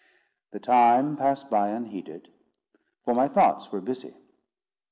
The time passed by unheeded; for my thoughts were busy.